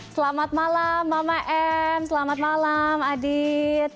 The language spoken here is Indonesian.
selamat malam mama m selamat malam adit